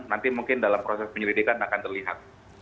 nanti mungkin dalam proses penyelidikan akan terlihat